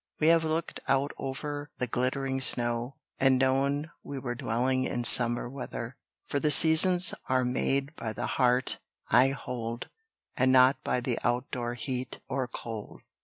We have looked out over the glittering snow, And known we were dwelling in summer weather. For the seasons are made by the heart, I hold, And not by the outdoor heat or cold.